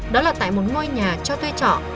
đó là tại một ngôi nhà cho tươi trọ